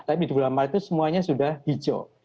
tapi di bulan maret itu semuanya sudah hijau